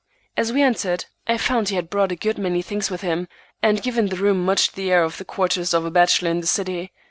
As we entered, I found he had brought a good many things with him, and given the room much the air of the quarters of a bachelor in the city.